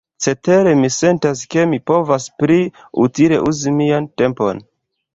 Cetere, mi sentas, ke mi povas pli utile uzi mian tempon.